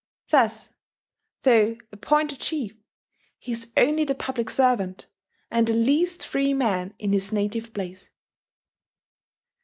Thus, though appointed chief, he is only the public servant, and the least free man in his native place.